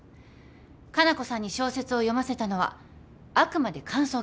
加奈子さんに小説を読ませたのはあくまで感想を聞くため。